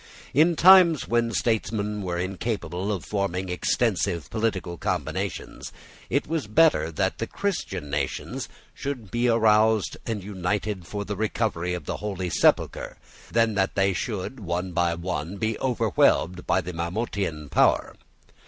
In times when statesmen were incapable of forming extensive political combinations, it was better that the Christian nations should be roused and united for the recovery of the Holy Sepulchre, than that they should, one by one, be overwhelmed by the Mahometan power.